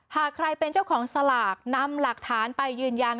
หากใครเป็นเจ้าของสลากนำหลักฐานไปยืนยัน